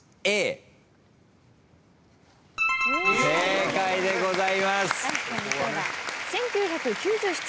正解でございます。